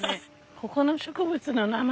ここの植物の名前